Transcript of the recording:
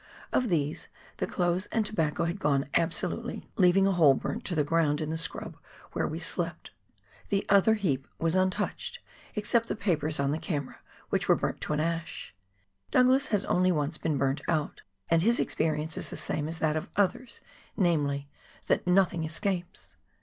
Of these, the clothes and tobacco had gone absolutely, leaving FOX GLACIER. 117 a hole burnt to tlie ground in tlie scrub whicb we slept on ; the other heap was untouched, except the papers on the camera, which were burnt to an ash. Douglas has only once been burnt out, and his experience is the same as that of others, namely, that nothing escapes.